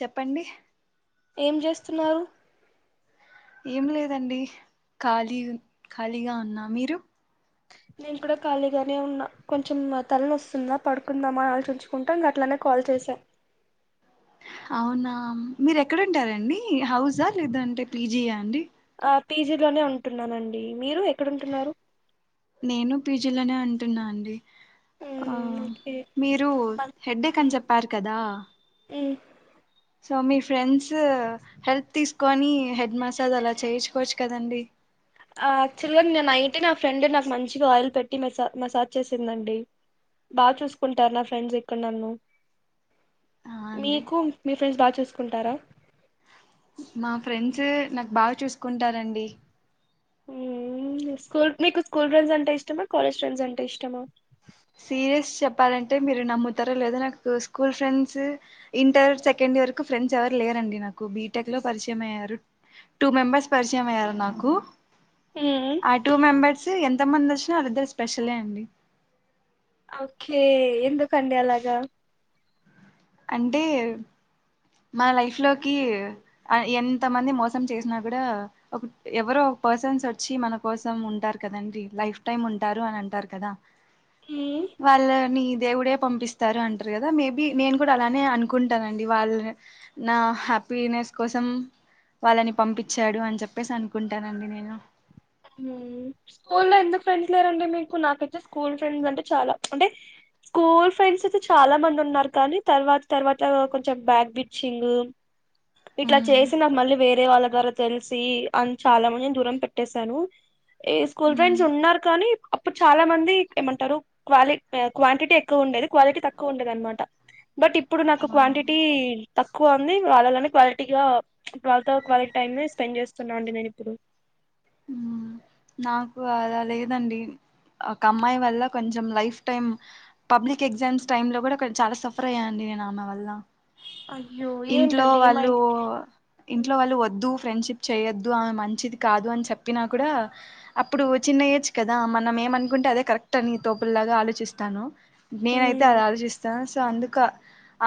చెప్పండి ఏం చేస్తున్నారు ఏం లేదండి ఖాళీ ఖాళీగా ఉన్న మీరు నేను కూడా ఖాళీగానే ఉన్నా కొంచెం తల నొస్తుందా పడుకుందామా అని ఆలోచించుకుంట ఇంక అట్లనే కాల్ చేసా అవున మీరు ఎక్కడ ఉంటారండి హౌస్ ఆ లేదంటే పి జీ ఆ అండి పీ జీ లోనే ఉంటున్నానండి మీరు ఎక్ నేను పీ జీ లోనే అన్ ఉంటున్నా అండి ఆ మ్మ్ ఓకే మీరు హెడ్డేక్ అని మ్మ్ చెప్పారు కదా మ్మ్ సో మీ ఫ్రెండ్స్ హెల్ప్ తీసుకొని హెడ్ మసాజ్ అలా చేయించుకోవచ్చు కదండి ఆయాక్చువల్ గా నిన్న నైట్ ఏ మా ఫ్రెండ్ నాకు మంచిగా ఆయిల్ పెట్ ట్టి మసా మసాజ్ చేసిందండి బాగా చూసుకుంటారు నా ఫ్రెండ్స్ ఇక్కడ నన్ను ఆ అండి మీకు మీ ఫ్రెండ్స్ బాగా చూస్ కుంటార మా ఫ్రెండ్స్ నాకు బాగా చూసుకుంటారండి మ్మ్ స్కూల్ మీకు స్కూల్ ఫ్రెండ్స్ అంటే ఇష్టమా కాలేజ్ ఫ్రెండ్స్ అంటే ఇష్టమా సీరియస్ చెప్పాలంటే మీరు నమ్ముతారో లేదో నాకు school friends inter second year కు ఫ్రెండ్స్ ఎవరు లేరండి నాకు బీటెక్ లో పరిచయం అయ్యారు టూ మెంబెర్స్ పరిచయం అయ్యారు నాకు మ్మ్ ఆ టూ మెంబర్స్ సి ఎంత మంది వచ్చినా వాళ్ళు ఇద్దరు స్పెషలే అండి ఓకే ఎందుకండి అలాగా అంటే మన లైఫ్ లోకి ఎంత మంది మోసం చేసినా కూడా ఒక ఎవరో ఒక పర్సన్స్ వచ్చి మన కోసం ఉంటారు కదండి లైఫ్ టైమ్ ఉంటారు అని అంటారు కదా మ్మ్ నీ దేవుడే పంపిస్తారు అంటారు కదా మేబీ నేను ప్పుడు అలానే అనుకుంటానండి వాళ్ళ నా హ్యాపీనెస్ కోసం వాళ్ళని పంపించాడు అని చెప్పేసి అనుకుంటానండి నేను మ్మ్ స్కూల్లో ఎంత ఫ్రెండ్స్ లేరండి మీకు నాకైతే స్కూల్ ఫ్రెండ్స్ అంటే చాలా అంటే స్కూల్ ఫ్రెండ్స్ అయితే చాలా మంది ఉన్నారు కానీ తర్వాత తర్వాత కొంచెం బ్యాగ్ బిచింగ్ ఇట్లా ఉమ్ చేసి నాకు మళ్ళీ వేరే వాళ్ళ తెలిసి అని చాలా మందిని దూరం పెట్టేస్త సను ఈ స్కూల్ ఫ్రెండ్స్ ఉమ్ ఉన్నారు కానీ ఇప్పుడు చాలా మంది ఏమంటారు క్వాలి క్వాంటిటీ ఎక్కువ ఉండేది క్వాలిటీ తక్కువ ఉండేది అనమాట బట్ ఇప్పుడు నాకు ఆ క్వాంటిటీ తక్కువ ఉంది వాళ్ళలో క్వాలటీ గా వాళ్ళతో కనెక్ట్ టైమ్ లో స్పెండ్ చేస్తున్నా అండి నేను ఇప్పుడు మ్మ్ నాకు అలా లేదండి ఒక అమ్మాయి వల్ల కొంచెం life time public exams time లో కూడా చాలా సఫర్ అయ్యాండి నేను ఆమె వల్ల అయ్యో ఇంట్లో ఏంటండి వాళ్ళు ఏమైంది ఇంట్లో వాళ్ళు వద్దు ఫ్రెండ్షిప్ చెయొద్దు ఆమె మంచిది కాదు అని చెప్పినా కూడా అప్పుడూ చిన్న ఏజ్ కదా మనం ఏమన్నుకుంటే అదే కరెక్ట్ అని తోపుల్లాగా ఆలోచిస్తాను. నేనైతే అది మ్మ్ ఆలోచిస్తా సో అందుక.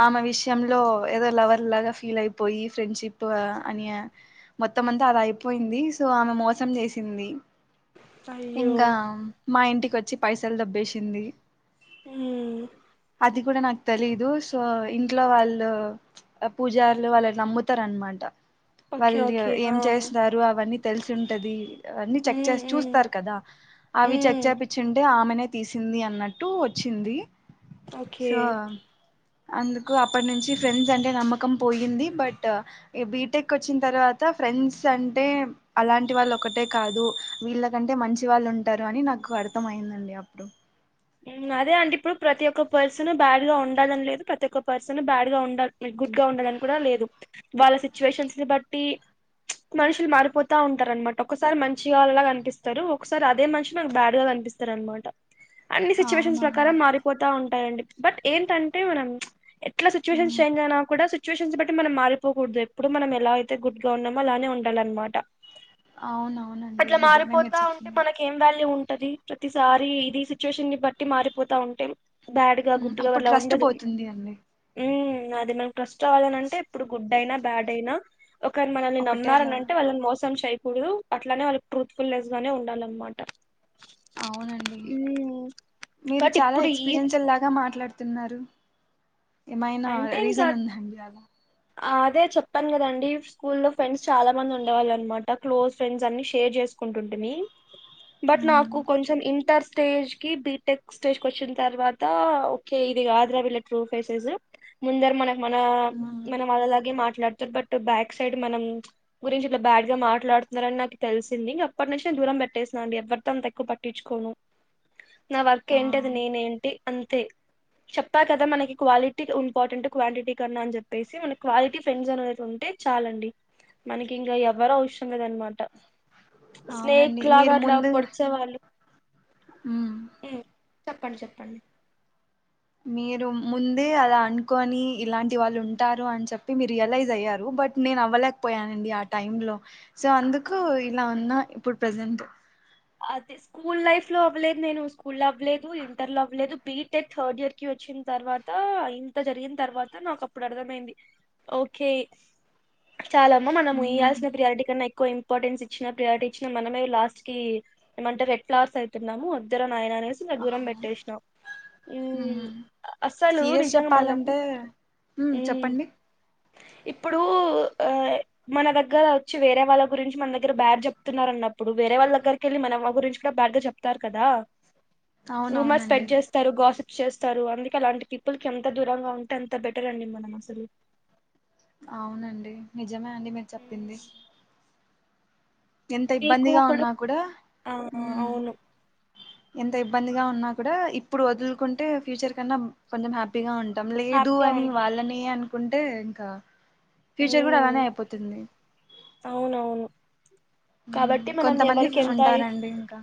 ఆమె విషయంలో ఏదో లవర్ లాగా ఫీలయిపోయి ఫ్రెండ్షిప్ అనియా మొత్తం అంతా అది అయిపోయింది. సో ఆమె మోసం చేశింది. అయ్యో ఇంకా మా ఇంటి వచ్చి పైసల్ దబ్బేశిందీ హ్మ అది గూడా నాకు తెలీదు. సో ఇంట్లో వాళ్ళు అ పూజార్లు వాళ్ళన్ నమ్ముతార్ అన్మాట. ఓకే వాళ్ళు ఓకే ఆ ఏం చేస్తున్నారు అవన్నీ తెల్సుంటదీ అన్నీ చెక్క్ మ్మ్ మ్మ్ చూస్తారు కదా. అవి చెక్ మ్మ్ చేపిచ్చుంటే. ఆమెనే తీసిందీ అన్నట్టు వచ్చింది. ఓకే సో అందుకు అప్పటి నుంచి ఫ్రెండ్స్ అంటే నమ్మకం పోయింది. బట్టా బీటెక్ వచ్చిన్ తర్వాత ఫ్రెండ్స్ అంటే అలాంటి వాళ్ళు ఒకటే కాదు. వీళ్ళ కంటే మంచి వాళ్ళు ఉంటారు అని నాకు అర్థంమయందండి అప్పుడు. అదే అంటే ఇప్పుడు ప్రతి ఒక్క పర్సన బ్యాడ్ గా ఉండాలని లేదు ప్రతి ఒక్క పర్సన బ్యాడ్ గా ఉండాల్ గుడ్గా ఉండాలని కూడా లేదు. వాళ్ళ సిచ్యువేషన్స్ ని బట్టీ ప్చ్ మనుషులు మారిపోతా ఉంటారు అన్మాట. ఒకసారి మంచిగా అలా కనిపిస్తారు ఒకసారి అదే మనిషి నాకు బ్యాడ్ గా కనిపిస్తారు అన్మాట. అన్నీ సిచ్యువేషన్స్ అవునవును ప్రకారం మారిపోతా ఉంటాయండి. బట్ ఏంటంటే మనం ప్చ్ ఎట్లా సిచ్యువేషన్ ఉమ్. చేంజ్ అయినా కూడా సిచువేషన్స్ బట్టి మనం మారిపోకూడదు ఎప్పుడు. మనం ఎలా అయితే గుడ్గా ఉన్నామో అలానే ఉండాలన్నమాట. అవునవునండి అట్లా నిజమే మీరు మారిపోతా ఉంటే చెప్పింది మనకేం వాల్యూ ఉంట్ టది ప్రతి సారి ఇది సి సిచువేషన్ బట్టీ మారిపోతా ఉంటేం బ్యాడ్గా ఉమ్, గుడ్డుగా అప్పుడు వళ్ళ ట్రస్ట్ ఉండదు. పోతుంది అండి ఉమ్ నాది మ ట్రస్ట్ రావాలని అంటే ఇప్పుడు గుడ్ అయినా బ్యాడ్ అయినా ఒకరు మనల్ని నమ్మారని ఒకటేలాగా అంటే వాళ్ళని మోసం చెయ్ కూడదూ. అట్లానే వాళ్ళకి ట్రూత్ఫుల్ లైఫ్ గానే ఉండాలన్నమాట. అవునండి ఉమ్ మీరు బట్ చాలా ఇప్పుడు ఈ ఎక్స్పీరియన్స్ల్ లాగా మాట్లాడుతున్నారు. ఏమైనా రీజన్ ఉందండి అలా. ఆ అదే చెప్పాను కదండి, స్కూల్లో ఫ్రెండ్స్ చాలా మంది ఉండేవాళ్ళన్నమాట. క్లోజ్ ఫ్రెండ్స్ అన్నీ షేర్ చేసుకుంటుంటిమీ. బట్ ఉమ్, నాకు కొంచెం ఇంటర్స్ట్ స్టేజ్ కి బీటెక్ స్టేజ్ క వచ్చిన తర్వాత ఓకే ఇది కాధ్ర వీళ్ళ ట్రూ ఫేసెస్ ముందర మన మన ఉమ్, మనం మన లాగే మాట మాట్లాడతారు బట్ బ్యాక్ సైడ్ మనం గురించి ఇట్లా బ్యాడ్ గా మాట్లాడుతున్నారని నాకు తెలిసింది ఇంక అప్పటి నుంచి నేను దూరం పెట్టేసాను అండి ఎవరితో అంత ఎక్కువ పట్టించుకోను నా వర్క్ ఆ ఏంటది నేనేంటి అంతే చెప్పా కదా మనకి క్వాలిటీ ఇంపార్టెంట్ క్వాంటిటీ కన్నా అని చెపి చెప్పేసి మన క్వాలిటీ ఫ్రెండ్స్ అనేది ఉంటే చాలండి మనకి ఇంకా ఎవరో అవసరం లేదన్న మాట అవునండి స్నేక్ లాగా మీరు అట్లా ముందు పొడిచేవాళ్ళు ఉమ్ చెప్పండి చెప్పండి మీరు ముందే అలా అనుకని ఇలాంటి వాళ్ళు ఉంటారు అని చెప్పి మీరు రియలైజ్ అయ్యారు బట్ నేను అవ్వలేకపోయానండి ఆ టైమ్ లో సో అందుకు ఇలా ఉన్నా ఇప్పుడు ప్రెజెంట్ అదే స్కూల్ లైఫ్ లో అవ్వలేదు నేను స్కూల్ లో అవ్వలేదు ఇంటర్ లో అవ్వలేదు బిటెక్ థర్డ్ ఇయర్ కి వచ్చిన తర్వాత ఇంత జరిగిన తర్వాత నాకు అప్పుడు అర్థమైంది ఓకే చాలా అమ్మా మనం ఉమ్, ఇయాల్స ప్రయారిటీ కన్నా ఎ ఎక్కువ ఇంపార్టెన్స్ ఇచ్చినా ప్రయారిటీ ఇచ్చినా మనమే లాస్ట్ కి ఏమంటే రెడ్ ఫ్లవర్స్ అవుతున్నాము ఇద్దరం ఆయన అనేసి ఇంకా దూరం ఆ, పెట్టేసినాం అసలు సీరియస్ నిజంగా మనం చెప్పాలంటే మ్మ్ చెప్పండి ఇప్పుడు ఆ మన దగ్గర వచ్చి వేరే వాళ్ళ గురించి మన దగ్గర బ్యాడ్ చెప్తున్నారు అన్నప్పుడు వేరే వాళ్ళ దగ్గరికి కెళ్ళి మనం రూమర్ స్ప్రెడ్ అవునవునండి చేస్తారు గాసిప్ చేస్తారు అందుకే అలాంటి పీపుల్ క ఎంత దూరంగా ఉంటే అంత బెటర్ అండి మనం అసలు అవునండి నిజమే అండి మీరు చెప్పింది ఎంత ఇబ్బందిగా ఉన్నా కూడా ఆ హమ్ అవును ఎంత ఇబ్బందిగా ఉన్నా కూడా ఇప్పుడు వదులుకుంటే ఫ్యూచర్ కన్నా కొంచెం హ్యాపీగా ఉంటుంది ం లేదు హ్యాపీగా అని ఉంటాం వాళ్ళనే అను కుంటే ఇంకా ఫ్యూచర్ కూడా ఉమ్ అలానే అయిపోతుంది త అవునవును మ్మ్ కాబట్టి మనం కొంతమంది ఎవరికి ఎంత ఉంటారండి ఇంకా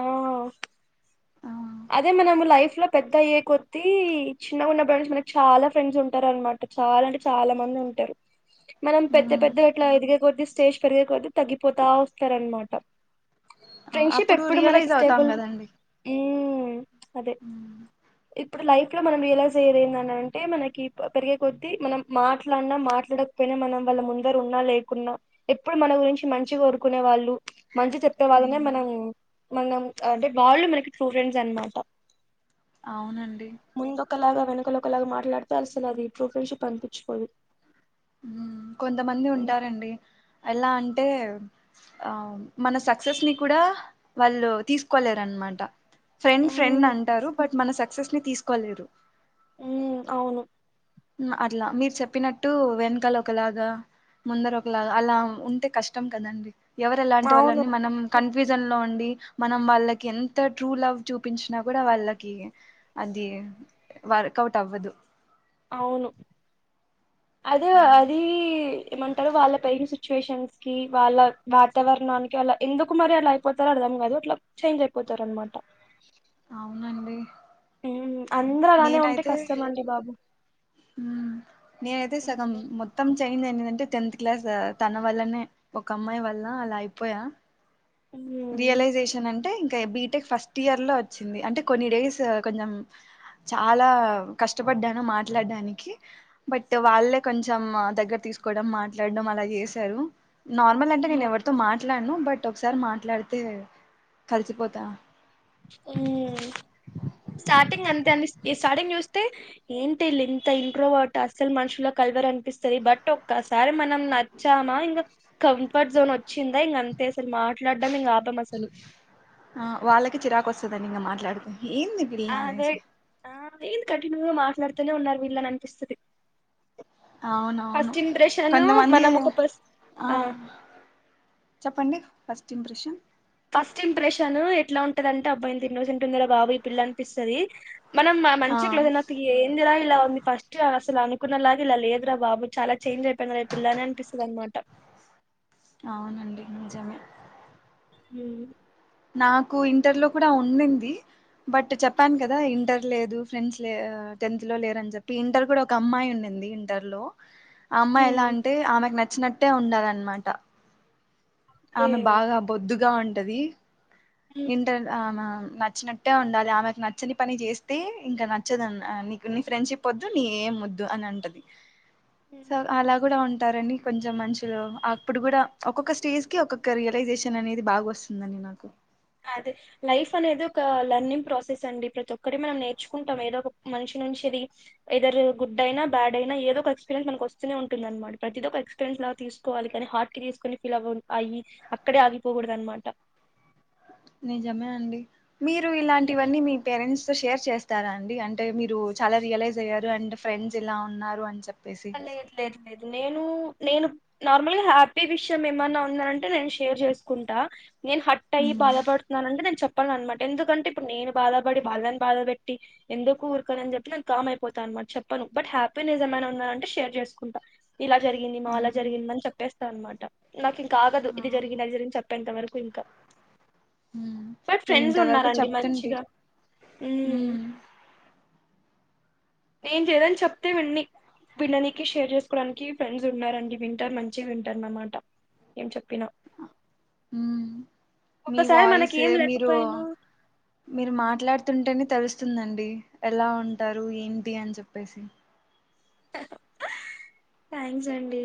ఆహ్ ఆ అదే మనం లైఫ్ లో పెద్ద అయ్యే కొద్దిీ చిన్నగా ఉన్న బస్ మనకి చాలా ఫ్రెండ్స్ ఉంటారు అనమాట చాలా అంటే చాలా మంది ఉంటారు మనం పెద్ద మ్మ్ పెద్ద ఎట్లా ఎదిగ కొర్ది స్టేజ్ పెరిగే కొద్ది తగ్గిపోతా వస్తారనమాట ఫ్రెండ్షిప్ అప్పుడు ఎప్పుడు మనకి రియలైజ్ అవుతాం స్టేబుల్ కదండి ఉమ్ అదే మ్మ్ ఇప్పుడు లైఫ్ ఇక్కడ మనం రియలైజ్ అయ్యేది ఏందంటే మనకి పెరిగే కొద్ది మనం మాట్లాడినా మాట్లాడకపోయినా మనం వాళ్ళ ముందర ఉన్నా లేకున్నా ఎప్పుడు మన గురించి మంచిగా కోరుకునే వాళ్ళు మంచి చెప్పే వాళ్ళనే మనం మనం ప్చ్ అంటే వాళ్ళు మనకి ట్రూ ఫ్రెం డ్స్ అనమాట అవునండి ముందు ఒకలాగా వెనకలు ఒకలాగా మాట్లాడితే అసలు అది ట్రూ ఫ్రెండ్షిప్ అనిపించుకోదు ఉమ్ కొంతమంది ఉంటారండి ఎలా అంట టే ఆ మన సక్సెస్ ని కూడా వాళ్ళు తీసుకోలేరనమాట ఫ్రెండ్ ఫ్రెండ్ మ్మ్ అంటారు బట్ మన సక్సెస్ ని తీసుకోలేరు ఉమ్ అవును ఉమ్ అట్లా మీరు చెప్పినట్టు వెనకాల ఒకలాగా ముందర ఒకలాగా అలా ఉంటే కష్టం కదండి ఎవరెలాంటి వాళ్ళు అవును అని మనం కన్ న్ఫ్యూషన్ లో ఉండి మనం వాళ్ళకి ఎంత ట్రూ లవ్ చూపించినా కూడా వాళ్ళకి అది వర్కౌట్ అవ్వదు అవును అది అది ఏమంటారు వాళ్ళ పెరిగిన సిచ్యువేషన్స్ కి వాళ్ళ వాతావరణానికి వాళ్ళ ఎందుకు మరి అలా అయిపోతారో అర్థం కాదు అట్లా చేంజ్ అయిపోతారు అనమాట అవునండి ఉమ్ అందరు అలానే ఉంటే కష్టమండి బాబు ఉమ్ నేనయితే సగం మొత్తం అయింది ఏంటంటే టెన్త్ క్లాస్ తన వల్లనే ఒక అమ్మాయి వల్ల అలా అయిపోయా ఉమ్ రియలైజేషన్ అంటే అయితే బీటెక్ ఫస్ట్ ఇయర్ లో వచ్చింది అంటే కొన్ని డేస్ కొంచెం చాలా కష్టపడ్డాను మా మాట్లాడడానికి బట్ వాళ్ళే కొంచం దగ్గర తీసుకోవడం మాట్లాడడం అలా చేశారు నార్మల్ అంటే నేను ఎవరితో మాట్లాడను బట్ ఒకసారి మాట్లాడితే కలిసిపోతా ఉమ్ స్టార్టింగ్ అంతే అని స్టార్టింగ్ చూస్తే ఏంటి ఈళ్ళు ఇంత ఇంట్రోవర్ట్ ఆ అస్సలు మనుషుల్లో కలవరు అనిపిస్తది బట్ ఒక్కసారి మనం నచ్చామా ఇంకా కంఫర్ట్ జోన్ వచ్చిందా ఇంక అంతే అసలు మాట్లాడడం ఇంకా ఆపం అసలు ఆ వాళ్ళకి చిరాకు వస్తదండి ఇంకా మాట్లాడితే ఏంది ఈ పిల్ల అనేసి కంటిన్యూ గా మాట్లాడుతూనే ఉన్నారు వీళ్ళని అనిపిస్తుంది అవునవును కొంతమంది మనం ఒక పర్సన్ ఆ చెప్పండి ఫస్ట్ ఇంప్రెషన్ ఫస్ట్ ఇంప్రెషన్ ఎట్లా ఉంటందంటే అబ్బాయిని తిన్నసి ఉంటుందిర బాబు ఈ పిల్ల అనిపిస్తుంది మనం ఆ మంచి [unintelligible] ఏందిరా ఇలా ఉంది ఫస్ట్ అసలు అనుకున్నలాగా ఇలా లేదురా బాబు చాలా చేంజ్ అయిపోయింది ర పిల్లని అనిపిస్తుంది అనమాట అవునండి నిజమే హ నాకు ఇంటర్ లో కూడా ఉంంది బట్ చెప్పాను కదా ఇంటర్ లేదు ఫ్రెండ్స్ లే టెన్త్ లో లేరుని చెప్పి ఇంటర్ కూడా ఒక అమ్మాయి ఉంంది ఇంటర్ లో అమ్మా ఎలా అంటే ఆమెకు నచ్చ వచ్చినట్టే ఉండాలన్నమాట ఆమె బాగా బొద్దు గా ఉంటది ఇంటర్ ఆ నచ్చినట్టే ఉండాలి ఆమెకు నచ్చని పని చేస్తే ఇంకా నచ్చదుని నీకు నీ ఫ్రెండ్షిప్ వద్దు నీ ఏం వద్దు అని అంటది స అలా కూడా ఉంటారని కొంచెం మషులో అప్పుడు కూడా ఒక్కొక్క స్టేజ్ కి ఒక్కొక్క రియలైజేషన్ అనేది బాగా వస్తుందండి నాకు అదే లైఫ్ అనేది ఒక లెర్నింగ్ ప్రాసెస్ అండి ప్రతి ఒక్కరి మనం నేర్చుకుంటాం ఏదో ఒక మనిషి నుంచిది ఇదరు గుడ్ అయినా బ్యాడ్ అయినా ఏదో ఒక ఎక్స్పీరియన్స్ మనకు వస్తూనే ఉంటుంది అనమాట ప్రతిది ఒక ఎక్స్పీరియన్స్ ఇలా తీసుకోవాలి కానీ హార్ట్ కి తీసుకొని ఫీల్ అవ అయ్య అక్కడే ఆగిపోకూడదు అనమాట నిజమే అండి మీరు ఇలాంటివన్నీ మీ పేరెంట్స్ తో షేర్ చేస్త స్తారా అండి అంటే మీరు చాలా రియలైజ్ అయ్యారు అండ్ ఫ్రెండ్స్ ఇలా ఉన్నారు అని చెప్పారు లేదు లేదు లేదు నేను నేను నార్మల్గా హ్యాపీ విషయం ఏమన్నా ఉందంటే నేను షేర్ చేసుకుంటా నేను హట్ అయ్య ఉమ్, బాధపడుతున్నాన అడి నేను చెప్పను చెప్పం అనమాట ఎందుకంటే ఇప్పుడు నేను బాధపడి బాల్యాన్ని బాధపెట్టి ఎందుకు ఊరుకనని చెప్పి నేను కామ్ అయిపోతా అమా చెప్పను బట్ హ్యాపీనెస్ ఏమై ఉన్నా షేర్ చేసుకుంటాం ఇలా జరిగింది మా అలా ఉమ్, జరిగింద అని చెప్పేస్త అనమాటం నాకు ఇం కాగదు ఇది అవును. జరిగింది అది జరిగింది చెప్పేంత వర [unintelligible] నేను ఇంతవరకు చెప్తుంటే మంచిగా ఉమ్ నేను చేదని చెప్తే వి విన్ననికి షేర్ చేసుకోవడానికి ఫ్రెండ్స్ ఉన్నారండి వింటర్ మంచి వింటర్ అన్నమాట ఏం చెప్ మీ ఒక్కసారి వాయిస్ మనకి ఏం మీరు లేకపోయినా మీరు మాట్లాడుతుంటేనే తెలుస్తుందండి ఎలా ఉంటారు ఏంటి అని చెప్పేసి థ్యాంక్స్ అండి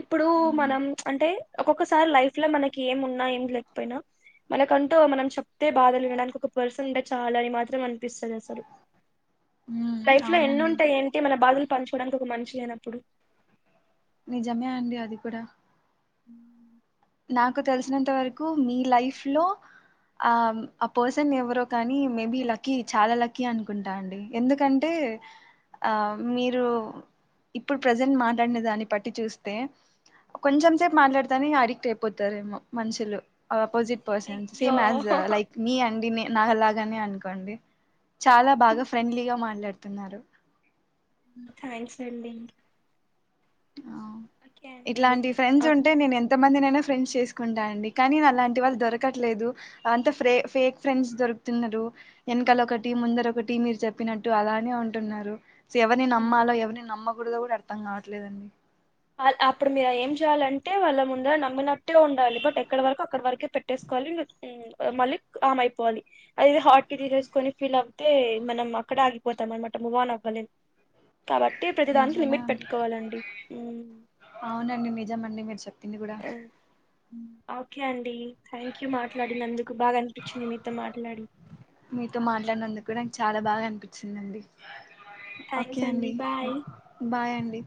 ఇప్పుడు ఉమ్. మనం అంటే ఒక్కొక్కసారి లైఫ్ లో మనకి ఏం ఉన్నా ఏం లేకపోయినా మనకంటూ మనం చెప్తే బాధలు వినడానికి ఒక పర్సన్ ఉంటే చాల అని మాత్రం అనిపిస్తుంది అసలు ఉమ్ లైఫ్ లో ఎన్ని అవునండి ఉంటాయి అంటే మన బాధలు పంచుకోవడానికి ఒక మనిషి లేనపుడు నిజమే అండి అది కూడా ఉమ్ నాకు తెలిసినంత వరకు మీ లైఫ్ లో ఆ ఆ పర్సన్ ఎవరో కానీ మేబి లక్కీ చాలా లక్కీ అనుకుంటా అండి ఎందుకంటే ఆ మీరు ఇప్పుడు ప్రెజెంట్ మాట్లాడిన దాన్ని బట్టి చూస్తే కొంచెం సేపు మాట్లాడుతనే అడిక్ట్ అయిపో పోతారేమో మనుషులు ఆ అపోజిట్ పర్సన్స్ అయ్యో సేమ్ స్్ ైక్ మీ అండినే నాలాగనే అనుకోండి చాలా బాగా ఫ్రెండ్లీ గా మాట్లాడ తున్నారు థ్యాంక్స్ అండి ఆ ఓకే అండి ఇట్లాంటి ఫ్రెండ్స్ ఆ, ఉంటే నేను ఎంత ఎంతమంది నేనా ఫ్రెండ్స్ చేసుకుంటాన అండి కానీ అలాంటి వాళ్ళు దొరకట్లేదు అంతా ఫ్రే ఫేక్ ఫ్రెండ్స్ దొరుకుతున్నారు వెనకాల ఒక టీ ముందర ఒక టీ మీరు చెప్పినట్టు అలానే ఉంటున్నారు ఎవరి ఉమ్. నమ్మలో ఎవరిని నమ్మ కూడదో అర్థం కవట్ ట్లేదండి అప్పుడు మీరు ఏం చేయాలంటే వాళ్ళ ముందుగా నమ్మినట్టే ఉండాలి బట్ ఎక్కడ వరకు అక్కడ వరకే పెట్టేసుకోవాలి మళ్ళీ కామ్ అయిపోవాలి అదిది హార్ట్ కి తీసేసుకొని ఫీల్ అవుతే మనం అక్కడే ఆగిపోతాం అనమాట మూవ్ ఆన్ అవ్వా లేము కాబట్టి ప్రతిదానికి నిజమే లిమిట్ అండి పెట్టుకోవాలండి అవునండి నిజమండి మ స తినీ కూడా ఉమ్. ఓకే అండి డి థ్యాంక్ యూ మాట్లాడింది అందుకు బాగా అనిపించింది మీతో మాట్లాడి మీతో మాట్లాడినందుకు కూడా నాకు చాలా బాగా అనిపించిందండి ఓకే థ్యాంక్స్ అండి బాయ్ బాయ్ అండి